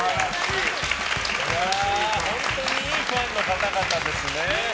本当にいいファンの方々ですね。